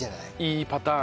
いいパターン。